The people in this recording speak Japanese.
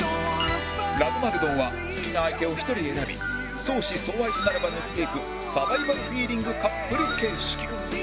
ラブマゲドンは好きな相手を１人選び相思相愛になれば抜けていくサバイバルフィーリングカップル形式